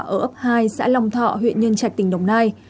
ở ấp hai xã long thọ huyện nhân trạch tỉnh đồng nai